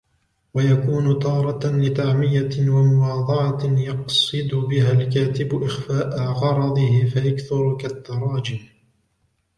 وَيَكُونُ تَارَةً لِتَعْمِيَةٍ وَمُوَاضَعَةٍ يَقْصِدُ بِهَا الْكَاتِبُ إخْفَاءَ غَرَضِهِ فَيَكْثُرُ كَالتَّرَاجِمِ